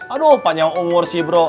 aduh kenapa banyak orang tua bro